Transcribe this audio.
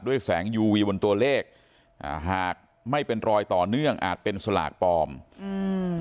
แสงยูวีบนตัวเลขอ่าหากไม่เป็นรอยต่อเนื่องอาจเป็นสลากปลอมอืม